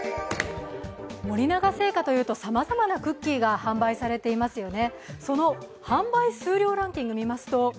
森永製菓というとさまざまなクッキーが販売されていますね。